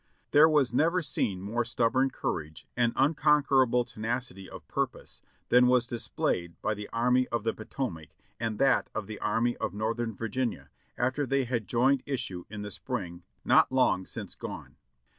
There was never seen more stubborn courage and unconquer able tenacity of purpose than was displayed by the Army of the Potomac and that of the Army of Northern Virginia after they had joined issue in the spring not long since gone.